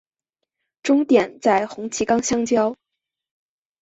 终点在红旗岗与相交。